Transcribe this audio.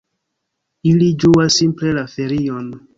Ili ĝuas simple la ferion.